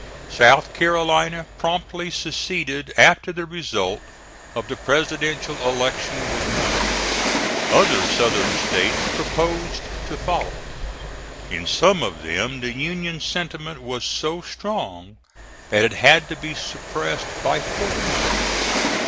South Carolina promptly seceded after the result of the Presidential election was known. Other Southern States proposed to follow. In some of them the Union sentiment was so strong that it had to be suppressed by force.